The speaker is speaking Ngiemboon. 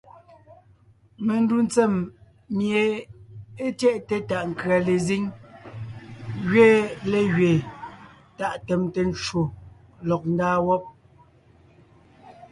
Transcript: Mendù tsèm mie é tyɛʼte tàʼ nkʉ̀a lezíŋ gẅiin légẅiin tàʼ tèmte ncwò lɔg ńdaa wɔ́b.